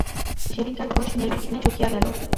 সেদিনকার ভোজ নির্বিঘ্নে চুকিয়া গেল।